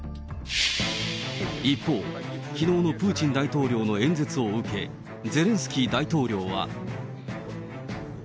一方、きのうのプーチン大統領の演説を受け、ゼレンスキー大統領は。